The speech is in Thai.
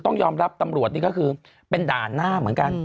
ต้องยอมรับตำรวจนี่ก็คือเป็นด่านหน้าเหมือนกัน